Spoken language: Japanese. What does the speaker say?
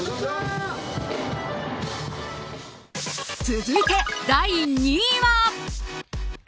続いて第２位は。